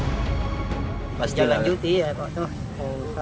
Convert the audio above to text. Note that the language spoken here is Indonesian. masa jalan juti ya